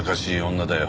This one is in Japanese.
女だよ。